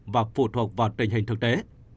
và phụ thuộc vào tình hình thực tế